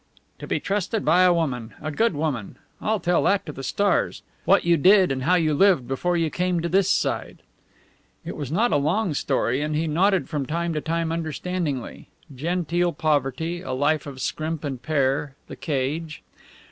"To be trusted by a woman, a good woman! I'll tell that to the stars. Tell me about yourself what you did and how you lived before you came this side." It was not a long story, and he nodded from time to time understandingly. Genteel poverty, a life of scrimp and pare the cage.